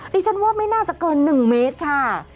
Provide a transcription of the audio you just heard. ดิฉันว่าไม่น่าจะเกิน๑เมตรค่ะ